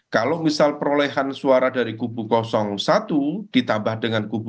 kalau misal perolehan suara dari kubu satu ditambah dengan kubu dua